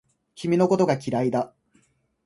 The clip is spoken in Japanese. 君のことが嫌いだ